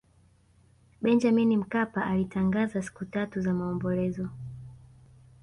benjamin mkapa alitangaza siku tatu za maombolezo